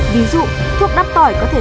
ví dụ thuốc đắp tỏi có thể